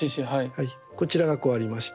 こちらがこうありまして。